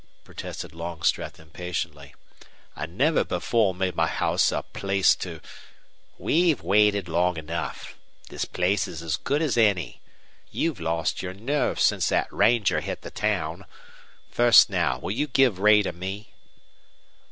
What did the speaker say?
protested Longstreth, impatiently. "I never before made my house a place to " "We've waited long enough. This place's as good as any. You've lost your nerve since that ranger hit the town. First now, will you give Ray to me?"